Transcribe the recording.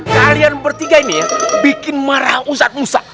kalian bertiga ini ya bikin marah usat usak